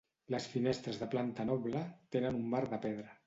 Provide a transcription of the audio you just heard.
Les finestres de la planta noble tenen un marc de pedra.